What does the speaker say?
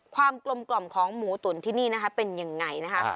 กลมของหมูตุ๋นที่นี่นะคะเป็นยังไงนะคะ